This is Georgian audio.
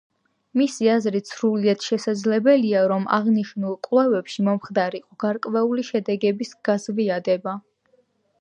მისი აზრით, სრულიად შესაძლებელია, რომ აღნიშნულ კვლევებში მომხდარიყო გარკვეული შედეგების გაზვიადება.